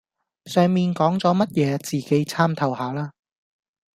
上面講左乜野,自己參透下啦